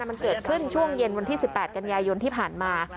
มันเกิดขึ้นช่วงเย็นวันที่๑๘กันยายนที่ผ่านมา